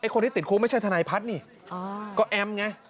คนที่ติดคุกไม่ใช่ทนายพัฒน์นี่ก็แอมไง